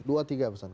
dua tiga pesan